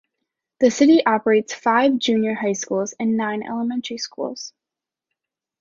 The city operates five junior high schools and nine elementary schools.